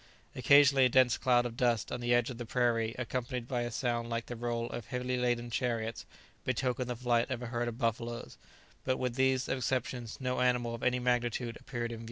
Occasionally a dense cloud of dust on the edge of the prairie, accompanied by a sound like the roll of heavily laden chariots, betokened the flight of a herd of buffaloes; but with these exceptions no animal of any magnitude appeared in view.